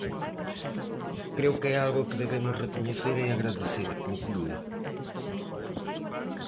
Creo que é algo que debemos recoñecer e agradecer, conclúe.